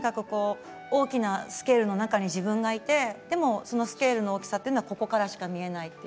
大きなスケールの中に自分がいてそのスケールの大きさというのはここからしか見えない。